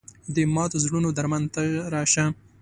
د ماتو زړونو درمان ته راشه